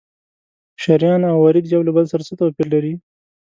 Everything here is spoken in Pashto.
شریان او ورید یو له بل سره څه توپیر لري؟